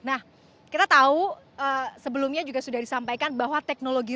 nah kita tahu sebelumnya juga sudah disampaikan bahwa teknologi